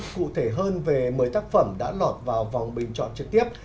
cụ thể hơn về một mươi tác phẩm đã lọt vào vòng bình chọn trực tiếp